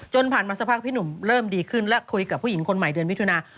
ผ่านมาสักพักพี่หนุ่มเริ่มดีขึ้นและคุยกับผู้หญิงคนใหม่เดือนมิถุนา